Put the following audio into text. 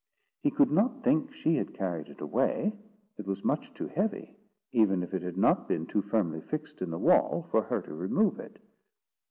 He could not think she had carried it away. It was much too heavy, even if it had not been too firmly fixed in the wall, for her to remove it.